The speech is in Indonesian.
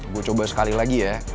gue coba sekali lagi ya